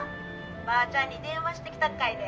☎ばーちゃんに電話してきたっかいね